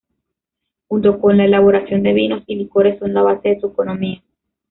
Junto con la elaboración de vinos y licores son la base de su economía.